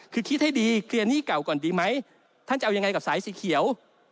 คือคิดให้ดีเคลียร์หนี้เก่าก่อนดีไหมท่านจะเอายังไงกับสายสีเขียว